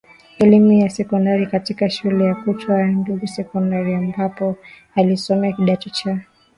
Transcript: elimu ya Sekondari katika shule ya kutwa ya Ngudu Sekondariambapo alisoma kidato cha